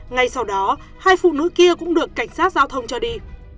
ngay sau đó hai phụ nữ kia cũng được cảnh sát giao thông cho đi